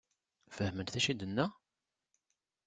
Fehment d acu i d-tenna?